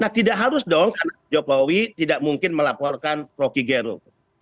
nah tidak harus dong karena jokowi tidak mungkin melaporkan rocky gerung